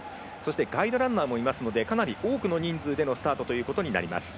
ガイドランナーもいますのでかなり多くの人数でのスタートとなります。